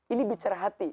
ini bicara hati